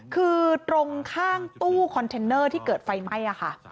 คือตรงข้างตู้คอนเทนเนอร์ที่เกิดไฟไหม้ค่ะ